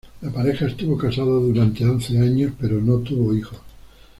La pareja estuvo casada durante once años pero no tuvo hijos.